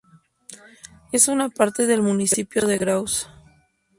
Es un parte del Municipio de Graus.